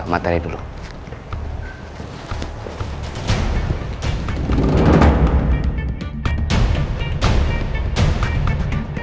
sampai jumpa di ruang meeting utama